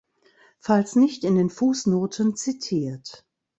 Falls nicht in den Fußnoten zitiert.